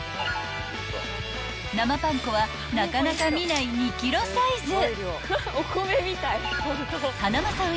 ［生パン粉はなかなか見ない２ｋｇサイズ］